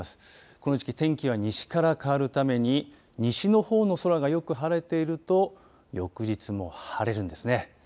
この時期、天気は西から変わるために、西のほうの空がよく晴れていると、翌日も晴れるんですね。